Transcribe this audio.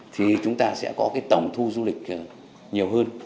thì chúng ta sẽ có cái tổng thu du lịch nhiều hơn